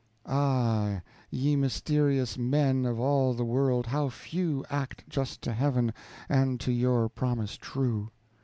Ah! ye mysterious men, of all the world, how few Act just to Heaven and to your promise true!